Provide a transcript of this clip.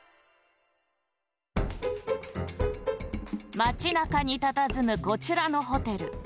まちなかにたたずむこちらのホテル。